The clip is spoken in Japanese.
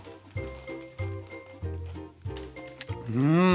うん。